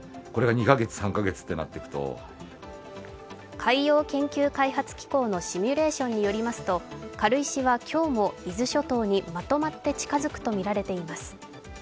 海洋研究開発機構のシミュレーションによりますと軽石は今日も伊豆諸島にまとまって近づくとみられています。